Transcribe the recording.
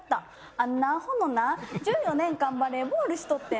あんな保乃な１４年間バレーボールしとってん。